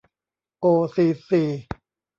โอ ซี ซี